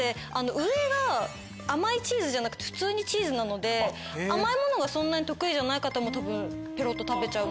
上が甘いチーズじゃなくて普通にチーズなので甘いものがそんなに得意じゃない方も多分ペロっと食べちゃう。